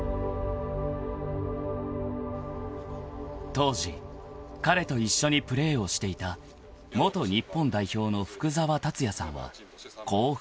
［当時彼と一緒にプレーをしていた元日本代表の福澤達哉さんはこう振り返る］